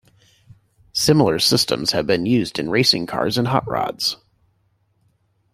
Similar systems have been used in racing cars and hot rods.